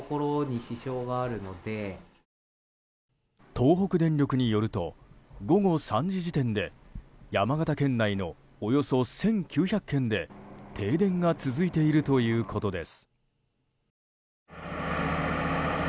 東北電力によると午後３時時点で山形県内のおよそ１９００軒で停電が続いているということです。